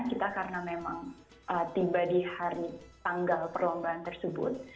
kita karena memang tiba di hari tanggal perlombaan tersebut